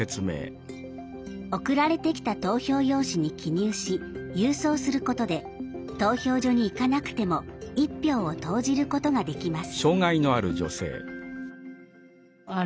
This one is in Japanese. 送られてきた投票用紙に記入し郵送することで投票所に行かなくても１票を投じることができます。